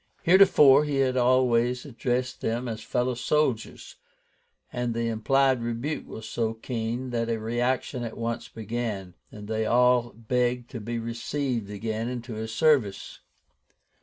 Heretofore he had always addressed them as "fellow soldiers," and the implied rebuke was so keen, that a reaction at once began, and they all begged to be received again into his service.